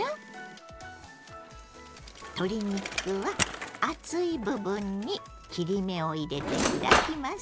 鶏肉は厚い部分に切り目を入れて開きます。